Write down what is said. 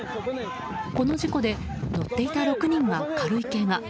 この事故で乗っていた６人が軽いけが。